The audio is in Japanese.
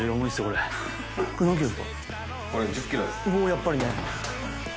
やっぱりね。